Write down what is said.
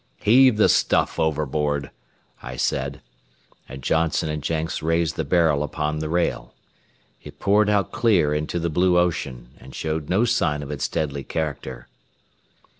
"Heave the stuff overboard," I said, and Johnson and Jenks raised the barrel upon the rail. It poured out clear into the blue ocean, and showed no sign of its deadly character.